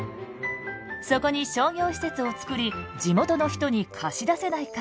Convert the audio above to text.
そこに商業施設を作り地元の人に貸し出せないか。